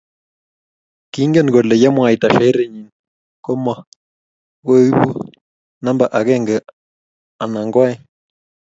kingen kole yemwaita shairi nyii ko mo koibu numba akenge nya koeng.